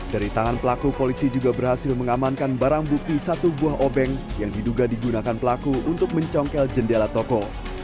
dari tangan pelaku polisi juga berhasil mengamankan barang bukti satu buah obeng yang diduga digunakan pelaku untuk mencongkel jendela toko